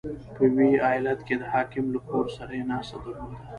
• په ویي ایالت کې د حاکم له خور سره یې ناسته درلوده.